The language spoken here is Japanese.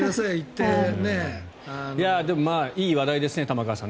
でも、いい話題ですね玉川さん。